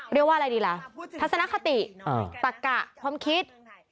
เรียกว่าอะไรดีล่ะทัศนคติตักกะความคิด